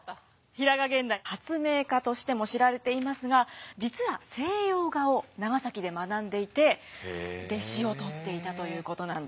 平賀源内発明家としても知られていますが実は西洋画を長崎で学んでいて弟子を取っていたということなんです。